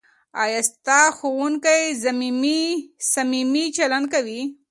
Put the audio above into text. ایا ستا ښوونکی صمیمي چلند کوي؟